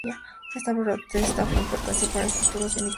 Esta protesta fue de importancia para el futuro sindicalismo en el país.